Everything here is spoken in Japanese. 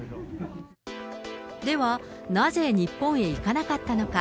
では、なぜ日本へ行かなかったのか。